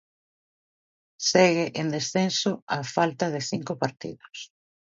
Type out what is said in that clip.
Segue en descenso á falta de cinco partidos.